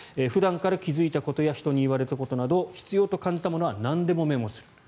普段から気付いたことや人に言われたことなどを必要と感じたものはなんでもメモする。